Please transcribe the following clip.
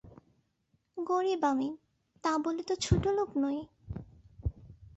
গরিব আমি, তা বলে তো ছোটোলোক নই।